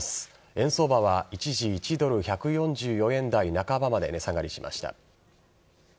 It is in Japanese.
円相場は一時１ドル１４４円台半ばまで値下がりしました。